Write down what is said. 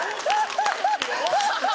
ハハハハハ！